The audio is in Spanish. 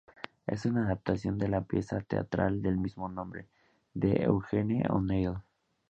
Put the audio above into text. Es una adaptación de la pieza teatral del mismo nombre, de Eugene O'Neill.